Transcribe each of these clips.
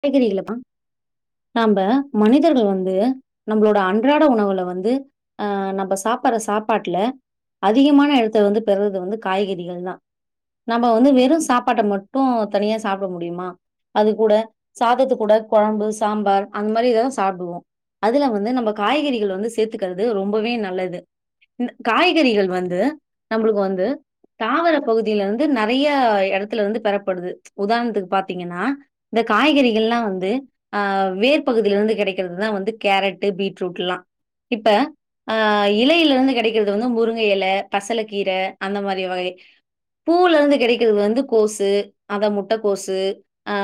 கேக்குறியில்லம்மா நாம்ப மனிதர்கள் வந்து நம்மளோட அன்றாட உணவுல வந்து ஆ நம்ப சாப்படுற சாப்பாட்டுல அதிகமான இடத்த வந்து பெறது வந்து காய்கறிகள் தான் நம்ப வந்து வெறும் சாப்பாட்ட மட்டும் தனியா சாப்பிட முடியுமா அது கூட சாதத்து கூட குழம்பு சாம்பார் அந்த மாதிரி இததான் சாப்பிடுவோம் அதுல வந்து நம்ம காய்கறிகள் வந்து சேத்துக்கறது ரொம்பவே நல்லது காய்கறிகள் வந்து நம்பளுக்கு வந்து தாவர பகுதியில வந்து நிறைய இடத்துல வந்து பெறப்படுது உதாரணத்துக்கு பாத்தீங்கன்னா காய்கறிகள்லாம் வந்து அ வேர் பகுதியில இருந்து கிடைக்கிறதுதான் வந்து கேரட்டு பீட்ரூட் எல்லாம் இப்ப ஆ இலையில இருந்து கிடைக்கிறது வந்து முருங்க இல பசலக்கீர அந்த மாதிரி வகை பூல இருந்து கிடைக்கிறது வந்து கோசு அதான் முட்ட கோசு ஆ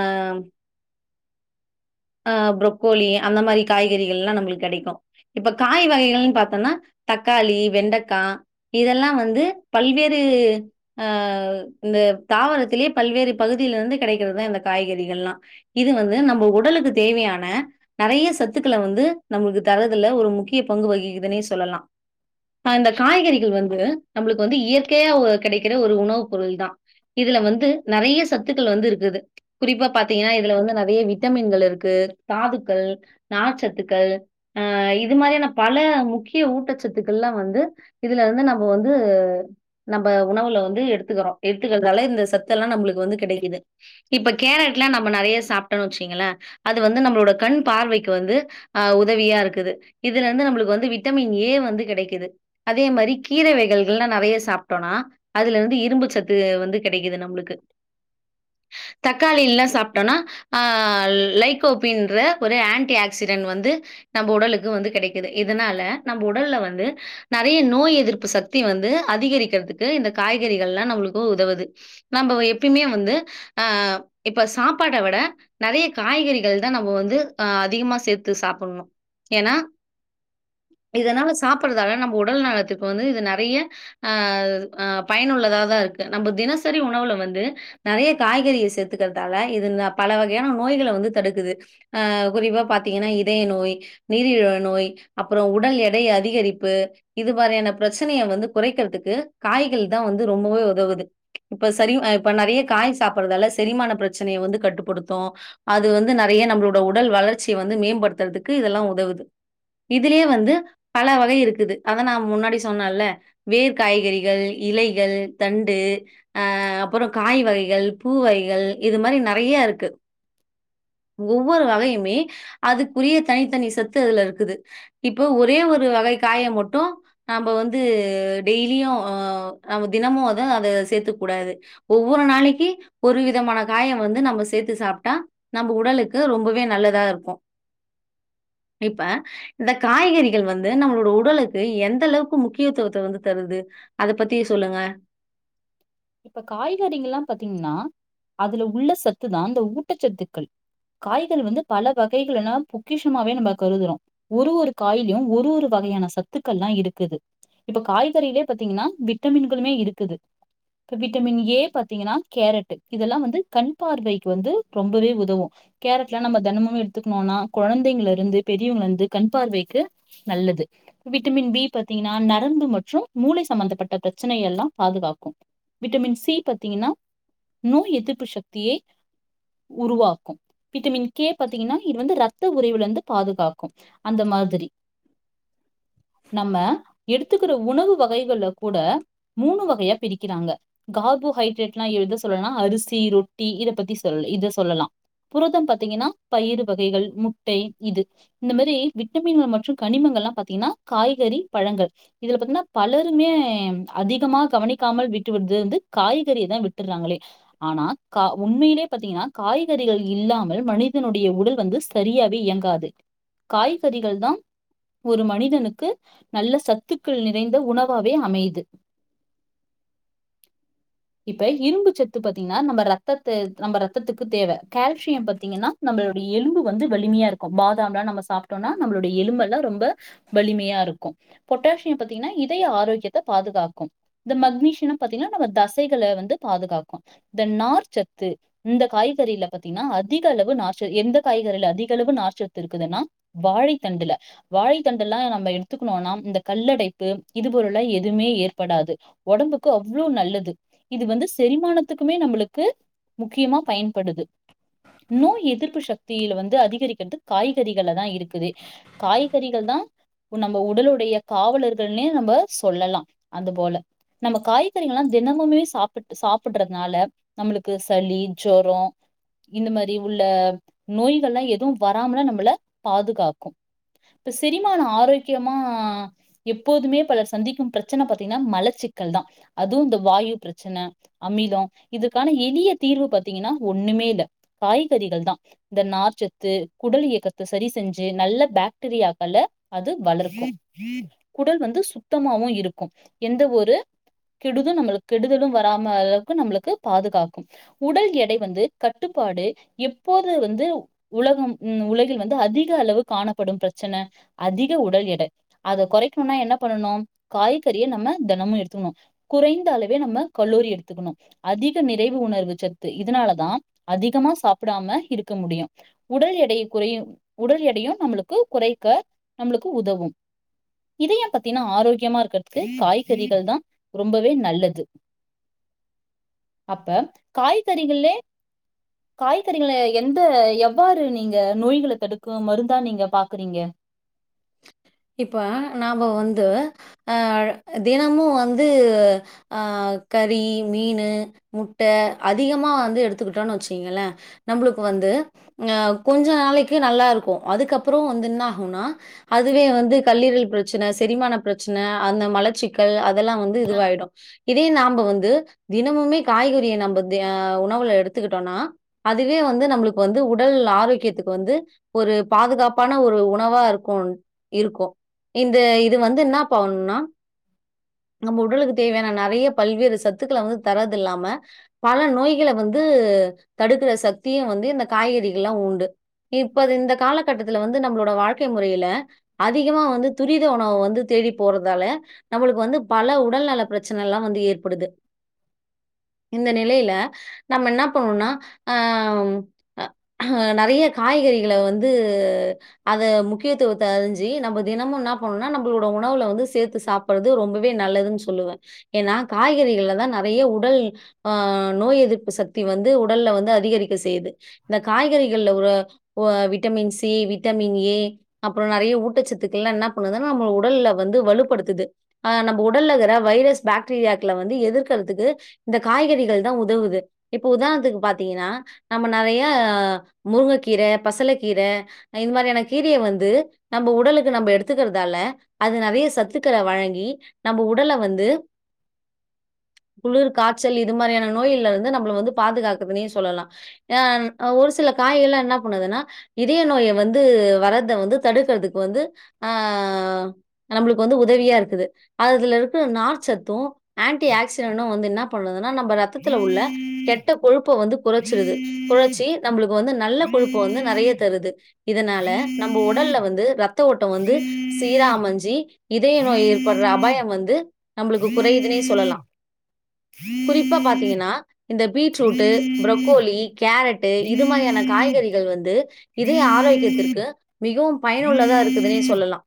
ஆ பு்ரொக்கோலி அந்த மாதிரி காய்கறிகள் எல்லாம் நம்மளுக்கு கிடைக்கும் இப்ப காய் வகைகள்னு பாத்தோம்னா தக்காளி வெண்டக்கா இதெல்லாம் வந்து பல்வேறு அ இந்த தாவரத்திலேயே பல்வேறு பகுதியில இருந்து கிடைக்கிறதுதான் இந்த காய்கறிகள்ல்லாம் இது வந்து நம்ம உடலுக்கு தேவையான நிறைய சத்துக்கள வந்து நம்மளுக்கு தரதுல ஒரு முக்கிய பங்கு வகிக்குதுன்னே சொல்லலாம் அ அந்த காய்கறிகள் வந்து நம்மளுக்கு வந்து இயற்கையா கிடைக்கிற ஒரு உணவு பொருள் தான் இதுல வந்து நிறைய சத்துக்கள் வந்து இருக்குது குறிப்பா பாத்தீங்கன்னா ல வந்து நிறைய விட்டமின்கள் இருக்கு தாதுக்கள் நார்ச்சத்துக்கள் ஆ இது மாறியான பல முக்கிய ஊட்டச்சத்துக்கள்ல்லா வந்து இதுல இருந்து நம்ப வந்து நம்ப உணவுல வந்து எடுத்துக்குறோ. எடுத்துக்கறதால இந்த சத்து எல்லா நம்பளுக்கு வந்து கெடைக்கிது. இப்ப கேரட்லா நம்ம நெறையா சாப்ட்டோன்னு வெச்சோங்களே அது வந்து நம்மளோட கண் பார்வைக்கு வந்து அ உதவியா இருக்குது இதுல இருந்து நம்மளுக்கு வந்து விட்டமின் ஏ வந்து கெடக்கிது அதே மாரி கீர வகைகள்ல்லா நறையா சாப்ட்டோனா அதுல இருந்து இரும்பு சத்து வந்து கெடக்கிது நம்ளுக்கு தக்காளி இல்லா சாப்ட்டோனா ஆ லைகோபின்ற ஒரு ஆன்டி ஆக்சிடென் வந்து நம்ப உடலுக்கு வந்து கெடக்கிது இதுனால நம்ப உடல்ல வந்து நெறையா நோய் எதிர்ப்பு சக்தி வந்து அதிகரிக்கெறதுக்கு இந்த காய்கறிகள்லா நம்மளுக்கு உதவுது நம்ப எப்பெய்மே வந்து ஆ இப்ப சாப்பாட்ட விட நெறையா காய்கறிகள் தா நம்ப வந்து அ அதிகமா சேத்து சாப்பட்ணு ஏனா இதுனால சாப்பட்றதால நம்ப உடல் நலத்துற்கு வந்து இது நெறையா ஆ அ பயனுள்ளதாதா இருக்கு. நம்ப தினசெரி உணவுல வந்து நெறையா காய்கறிய சேத்துக்கறதால இது பல வகையான நோய்கள வந்து தடுக்குது ஆ குறிப்பா பாத்தீங்கன்னா இதய நோய் நீரிழிவு நோய் அப்புற உடல் எடை அதிகரிப்பு இது மாரியான பிரச்சனைய வந்து குறைக்கிறதுக்கு காய்கள் தா வந்து ரொம்பவே உதவுது இப்ப சரி இப்ப நெறைய காய் சாப்படுறதால செரிமான பிரச்சனையை வந்து கட்டுப் டுத்தோ அது வந்து நெறைய நம்மளோட உடல் வளர்ச்சியை வந்து மேம்படுத்துறதுக்கு இதெல்லா உதவுது இதுலயே வந்து பல வகை இருக்குது அத நா முன்னாடியே சொன்னேன்ல வேர் காய்கறிகள் இலைகள் தண்டு அ அப்புற காய் வகைகள் பூ வகைகள் இது மாரி நெறைய இருக்கு ஒவ்வொரு வகயுமே அதுக்குரிய தனி தனி சத்து அதுல இருக்குது இப்பொ ஒரே ஒரு வகை காய மட்டு நாம்ப வந்து டெய்லியு ம் நம்ம தினமும அத அத சேத்துக்க கூடாது. ஒவ்வொரு நாளெக்கி ஒரு விதமான காய வந்து நம்ம சே சேத்து சாப்ட்டா நம்ம உடலுக்கு ரொம்பவே நல்லதா இருக்கு இப்ப இந்த காய்கறிகள் வந்து நம்மளோட உடலுக்கு எந்த அளவுக்கு முக்கியத்துவத்த வந்து தருது அது பத்தி சொல்லுங்க இப்ப காய்கறிங்க எல்லா பாத்தீங்கன்னா அதுல உள்ள சத்து தா இந்த ஊட்ட சத்துக்கள் காய்கறி வந்து பல வகைகள்ன்னா பொக்கிஷமாவே நம்ப கருதுறோ ஒரு ஒரு காய்லியு ஒரு ஒரு வகையான சத்துக்கள்லா இருக்குது இப்ப காய்கறிலயே பாத்தீங்கன்னா விட்டமின்களுமே இருக்குது இப்ப விட்டமின் ஏ பாத்தீங்கன்னா கேரட்டு இதெல்லா வந்து கண் பார்வைக்கு வந்து ரொம்பவே உதவு கேரட்லா நம்ப தெனமு எடுத்துக்குணோனா கொழந்தெங்க்ள இருந்து பெரியவங்கள இருந்து கண் பார்வைக்கு நல்லது விட்டமின் பி பாத்தீங்கன்னா நரம்பு மற்றும் மூளை சம்பந்தப்பட்ட ப்ரச்சனை எல்லா பாதுகாக்கு விட்டமின் சி பாத்தீங்கன்னா நோய் எதிர்ப்பு சக்தியை உருவாக்கு விட்டமின் கே பாத்தீங்கன்னா இது வந்து ரத்த உறைவுல இருந்து பாதுகாக்கு அந்த மாதிரி நம்ம எடுத்துக்குற உணவு வகைகள்ல கூட மூணு வகையா பிரிக்க க்கிறாங்க கார்போஹைட்ரேட் எல்லா எது சொல்லலானா அரிசி ரொட்டி இத பத்தி சொல்லு இத சொல்லலா புரதம் பாத்தீங்கன்னா பயிறு வகைகள் முட்டை இது இந்த மாரி விட்டமின்கள் மற்றும் கனிமங்கள் எல்லா பாத்தீங்கன்னா காய்கறி பழங்கள் இதுல பாத்தீனா பலருமே அதிகமா கவனி க்காமல் விட்டு விடுது வந்து காய்கறியதா விட்டுற்றாங்களே ஆனா கா உண்மய்லியே பாத்தீங்கன்னா காய்கறிகள் இல்லாமல் மனிதெனுடைய உடல் வந்து சரியாவே இயங்காது. காய்கறிகள் தா ஒரு மனிதனுக்கு நல்ல சத்துக்கள் நிறைந்த உணவாவே அமைது. இப்ப இரும்பு சத்து பாத்திங்ன்னா நம்ம ரத்தத்த நம்ம ரத்தத்துக்கு தேவ. கால்சியம் பாத்திங்கன்னா நம்பளுடைய எலும்பு வந்து வலிமையா இருக்கு. பாதாம்லா நம்ம சாப்ட்டோனா நம்பளோட எலும்பெல்லா ரொம்ப வலிமையா இருக்கு பொட்டாசியம் பாத்தீங்கனா இதய ஆரோக்கியத்த பாதுகாக்கு. இந்த மக்னீஷியன பாத்தீங்கனா நம்ம தசைகள வந்து பாதுகாக்கு இந்த நார்ச்சத்து இந்த காய்கறில பாத்தீங்னா அதிக அளவு நார்ச்ச எந்த காய்கறில அதிக அளவு நார்ச்சத்து இருக்குதுன்னா வாழைத் தண்டுல வாழைத்தண்டெல்லா நம்ம எடுத்துக்னோனா இந்தக் கல்லடைப்பு இது பொருள்ள எதுமே ஏற் படாது ஒடம்புக்கு அவ்ளோ நல்லது இது வந்து செரிமானத்துக்குமே நம்புளுக்கு முக்கியமா பயன்படுது. நோய் எதிர்ப்பு சக்தியில வந்து அதிகரிக்கற்து காய்கறிகள்லதா இருக்குது. காய்கறிகள் தா உ நம்ம உடலுடைய காவலர்கள்னே நம்ப சொல்லலா. அதுபோல நம்ம காய்கறிகள்லா தினமுமே சாப்பிட்டு சாப்பிட்றத்னால நம்முளுக்கு சளி ஜொரோ இந்த மாரி உள்ள நோய்கள்லா எதுவு வராமலா நம்மள பாதுகாக்கு. இப்ப செரிமான ஆரோக்கியமா எப்போதுமே பலர் சந்திக்கும் பிர ச்சன பாத்தீங்னா மலச்சிக்கல்தா அதுவு இந்த வாயு பிரச்சன அமிலோ இதுக்கான எளிய தீர்வு பாத்தீங்கன்னா ஒன்னுமே இல்ல காய்கறிகள் தா. இந்த நார்ச்சத்து குடல் இயக்கத்த செரி செஞ்சு நல்ல பாக்டீரியாக்கள அது வளர்க்கு. குடல் வந்து சுத்தமாவு இருக்கு. எந்த ஒரு கெடுது நம்முளுக் கெடுதலு வராம ளவுக்கு நம்முளுக்கு பாதுகாக்கும். உடல் எடை வந்து கட்டுப்பாடு எப்போது வந்து உலகும் ம் உலகில் வந்து அதிக அளவு காணப்படும் ப்ரச்சன அதிக உடல் எட. அத கொறைக்ணுனா என்ன பண்ணனு காய்கறிய நம்ம தெனமு எடுத்துகுணு. குறைந்த அளவே நம்ம கலோரி எடுத்துக்குணு. அதிக நிறைவு உணர்வு சத்து இதனாலதா அதிகமா சாப்டாம இருக்க முடியு உடல் எடைய குறையு உடல் எடையு நம்மளுக்கு குறைக்க நம்முளுக்கு உதவு. இதயம் பாத்தீனா ஆரோக்கியமா இருக்க க்கு காய்கறிகள்தா ரொம்பவே நல்லது. அப்ப காய்கறிகள்லே காய்கறிகள எந்த எவ்வாறு நீங்க நோய்கள தடுக்கு மருந்தா நீங்க பாக்குறீங்க? இப்ப நாம்ப வந்து அ தினமு வந்து ஆ கறி, மீனு, முட்ட அதிகமா வந்து எடுத்துக்ட்டோனு வெச்சிக்ங்களே நம்புளுக்கு வந்து அ கொஞ்ச நாளைக்கு நல்லாருக்கு அதுக்கப்பறோ வந்து இன்னாகுனா அதுவே வந்து கல்லீரல் பிரச்ன செரிமான பிரச்ன அந்த மலச்சி க்கல் அதெல்லா வந்து இதுவாயிடு. இதயே நாம்ப வந்து தினமுமே காய்கறிய நம்ப தெ அ உணவுல எடுத்துக்ட்டோனா அதுவே வந்து நம்புளுக்கு வந்து உடல் ஆரோக்கியத்துக்கு வந்து ஒரு பாதுகாப்பான ஒரு உணவா இருக்குன் இருக்கு இந்த இது வந்து இன்னா பாகுன்னா நம்ப உடலுக்கு தேவையான நறைய பல்வேறு சத்துக்கள வந்து தரதில்லாம பல நோய்கள வந்து தடுக்ற சக்தியு வந்து இந்த காய்கறிகள்லா உண்டு. இப்ப அது இந்த காலகட்டத்துல வந்து நம்ளோட வாழ்க்கை முறையில அதிகமா வந்து துரித உணவ வந்து தேடி போறதால நம்ளுக்கு வந்து பல உடல் நல பிரச்சனலா வந்து ஏற்படுது இந்த நிலைல நம்ம இன்னா பண்ணுனா அம் அ அ நெறைய காய்கறிகள வந்து அத முக்கியத்துவ த்த அறிஞ்சு நம்ம தினமு இன்னா பண்ணுனா நம்ளோட உணவுல வந்து சேர்த்து சாப்ட்றது ரொம்பவே நல்லதுன் சொல்லுவே ஏன்னா காய்கறிகள்ல தா நெறைய உடல் ஆ நோய் எதிர்ப்பு சக்தி வந்து உடல்ல வந்து அதிகரிக்க செய்யுது இந்த காய்கறிகள்ல உற வ விட்டமின் சி விட்டமின் ஏ அப்றோ நெறைய ஊட்டச்சத்துக்கள்லா என்னா பண்ணுதுனா நம்ம உடல்ல வந்து வலுப்படுத்துது ஆ நம்ம உடல்ல இருக்கிற வைரஸ் பாக்டீரியாக்கள வந்து எதிர்க்கறதுக்கு இந்த காய்கறிகள் தான் உதவுது இப்ப உதாரணத்துக்கு பாத்தீங்கன்னா நம்ம நிறைய முருங்கைக்கீர பசல கீர இ இந்த மாதிரியான கீரையை வந் து நம்ம உடலுக்கு நம்ம எடுத்துக்கறதால அது நிறைய சத்துக்கள வழங்கி நம்ம உடல வந்து குளுர் கா்சல் இது மாதிரியான நோய்ல்ல இருந்து நம்மள வந்து பாதுகாக்குதுன்னே சொல்லலா எ ஒரு சில காய்கள் எல்லாம் என்ன பண்ணுதுன்னா இதய நோயை வந்து வரது த வந்து தடுக்கறிறதுக்கு வந்து அ நம்மளுக்கு வந்து உதவியா இருக்குது அதுல இருக்க ற நார்ச்சத்தும் ஆன்டி ஆக்சிடென்ம் வந்து என்ன பண்றதுனா நம்ம ரத்தத்துல உள்ள கெட்ட கொழுப்ப வந்து குறைச்சிருது குறைச்சி நம்மளுக்கு வந்து நல்ல கொழுப்ப வந்து நிறைய தருது இதனால நம்ம உடல்ல வந்து ரத்த ஓட்டம் வந்து சீராமஞ்சி இதய நோய் ஏற்படுற அபாயம் வந்து நம்மளுக்கு குறையுதுனே சொல்லலா குறிப்பா பாத்தீங்கன்னா இந்த பீட்ரூட்டு புரக்கோலி கேரட்டு இது மாதிரியான காய்கறிகள் வந்து இதயா ஆரோக்கியத்திற்கு மிகவும் பயனுள்ளதா இருக்குதுன்னே சொல்லலாம்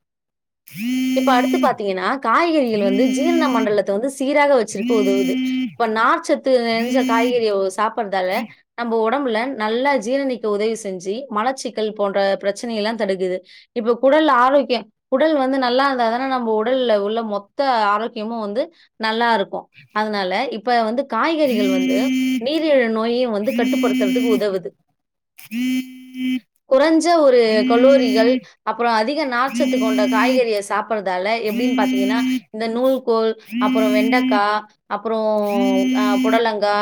இப்ப அடுத்து பாத்தீங்னா காய்கறிகள் வந்து ஜீரண மண்டலத்த வந்து சீராக வச்சுருக்க உதவுது இப்ப நார்ச்சத்து நெஞ்ச காய்கறிய சாப்பட்றதால நம்ம ஒடம்புல நல்லா ஜீரணிக்க உதவி செஞ்சு மலச்சிக்கல் போன்ற பிரச்சனையல்லா தடுக்குது இப்ப குடல் ஆரோக்கிய உடல் வந்து நல்லா இருந்தாதான நம்ம உடல்ல உள்ள மொத்த ஆரோக்கியமு வந்து நல்லாருக்கு அதனால இப்ப வந்து காய்கறிகள் வந்து நீரிழ நோயையு வந்து கட்டுப்படுத்துறதுக்கு உதவுது [inaudible] குறைஞ்ச ஒரு கலோரிகள் அப்புற அதிக நம்ம நாச்சத்துக்கு கொண்ட காய்கறிய சாப்படுறதால எப்படின்னு பாத்தீங்கன்னா இந்த நூல்கோள் அப்புறம் வெண்டக்கா அப்புற அ புடலங்கா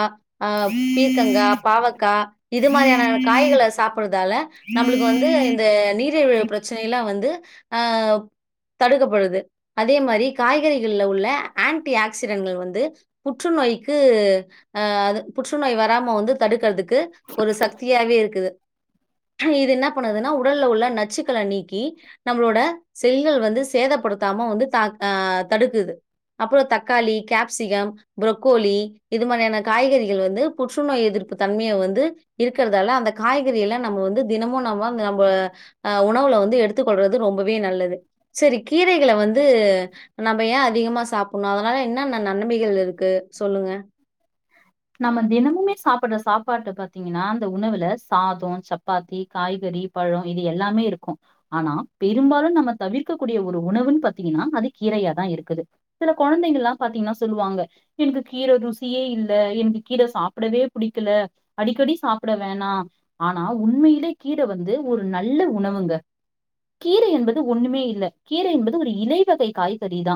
ஆ பீர்க்கங்கா பாவக்கா இது மாதிரியான காய்கள சாப்புடுறதால நம்மளுக்கு வந் வந்து இந்த நீரிழிவு பிரச்சனைல்லாம் வந்து அ தடுக்கப்படுது அதே மாரி காய்கறிகள்ளல உள்ள ஆன்டி ஆக்சிடென்கள் வந்து புற்றுநோய்க்கு அ அது புற்றுநோய் வராம வந்து தடுக்கிறதுக்கு ஒரு சக்தியாவே இருக்குது இது என்ன பண்ணதுன்னா உடல்ல உள்ள நச்சுக்கள நீக்கி நம்மளோட செல்கள் வந்து சேதப்படுத்தாம வந்து தா ஆ தடுக்குது அப்புறம் தக்காளி கேப்சிகம் புரொக்கோலி இது மாதிரியான காய்கறிகள் வந்து புற்றுநோய் எதிர்ப்பு தன்மைய வந்து இருக்கிறதால அந்த காய்கறி எல்லா நம்ம வந்து தினமும் நம்ம நம்ம அ உணவுல வந்து எடுத்துக்கொள்றது ரொம்பவே நல்லது சரி கீரைகள வந்து நம்ம ஏ அதிகமா சாப்பிடணு அதனால என்னன்ன நன்மைகள் இருக்கு சொல்லுங்க நம்ம தினமுமே சாப்பிடற சாப்பாட்டு பாத்தீங்கன்னா அந்த உணவுல சாதம் சப் பாத்தி காய்கறி பழம் இது எல்லாமே இருக்கும் ஆனா பெரும்பாலு நம்ம தவிர்க்க கூடிய ஒரு உணவுன்னு பாத்தீங்கன்னா அது கீரையாதா இருக்குது சில குழந்தைகள்ல்லாம் பாத்தீங்கன்னா சொல்லுவாங்க எனக்கு கீரை ருசியே இல் ல எனக்கு கீர சாப்பிடவே பிடிக்கல அடிக்கடி சாப்ட வேணா ஆனா உண்மையிலே கீர வந்து ஒரு நல்ல உணவுங்க கீரை என்பது ஒண்ணுமே இல்ல கீரை என்பது ஒரு இலைவகை காய்கறிதா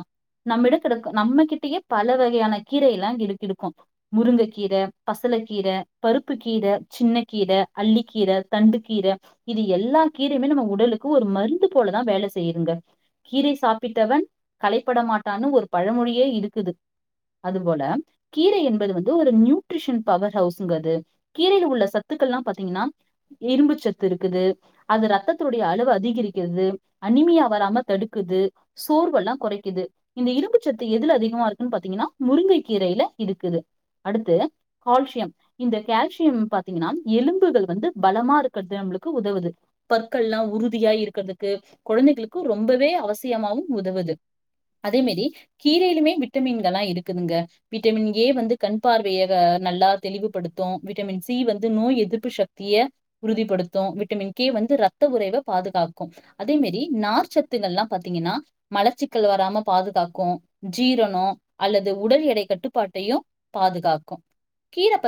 நம்மட கிடக்கும் நம்மகிட்டயே பல வகையான கீரைய எல்லா இடுக்கிடுக்கும் முருங்கக் கீர பசலக் கீர பருப்புக் கீர சின்னக் கீர அள்ளிக்கீர தண்டு கீர இது எல்லா கீரையுமே நம்ம உடலுக்கு ஒரு மருந்து போலதா வேலை செய்யுதுங்க கீரை சாப்பிட்டவன் கலைப்பட மாட்டான்னு ஒரு பழமொழியே இருக்குது அதுபோல கீரை என்பது வந் து ஒரு நியூட்ரிஷன் பவர் ஹவுஸ்ங்க அது கீரைல உள்ள சத்துக்கள் எல்லா பாத்தீங்கன்னா இரும்பு சத்து இருக்குது அது ரத்தத்துடைய அளவு அதிகரிக்கிறது அனிமியா வராம தடுக்குது சோர்வெல்லா குறைக்குது இந்த இரும்புச்சத்து எதுல அதிகமா இருக்குன்னு பாத்தீங்கன்னா முருங்கை கீரைல இருக்குது அடுத்து கால்சியம் இந்த கால்சியம் பாத்தீங்கன்னா எலும்புகள் வந்து பலமா இருக்கிறது நம்மளுக்கு உதவுது பற்கள் எல்லாம் உறுதியா இருக்கிறதுக்கு குழந்தைகளுக்கு ரொம்பவே அவசியமாவும் உதவுது அதேமேரி கீரையிலுமே விட்டமின்கள்லா இருக்குதுங்க விட்டமின் ஏ வந்து கண் பார்வையக நல்லா தெளிவுபடுத்தும் விட்டமின் சி வந்து நோய் எதிர்ப்பு சக்திய உறுதிப்படுத்தும் விட்டமின் கே வந்து ரத்த உறைவ பாதுகாக்கும் அதே மேரி நார் சத்துகளாம் பாத்தீங்கன்னா மலச்சிக்கல் வராம பாதுகாக்கு ஜீரணம் அல்லது உடல் எடை கட்டுப்பாட்டையு பாதுகாக்கும் கீரைப்பத்